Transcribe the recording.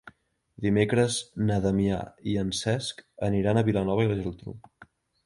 Dimecres na Damià i en Cesc iran a Vilanova i la Geltrú.